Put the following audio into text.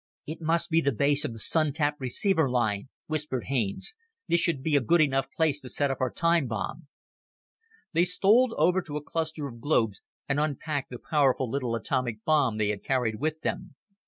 "It must be the base of the Sun tap receiver line," whispered Haines. "This should be a good enough place to set up our time bomb." They stole over to a cluster of globes and unpacked the powerful little atomic bomb they had carried with them.